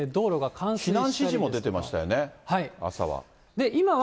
避難指示も出てましたよね、朝は。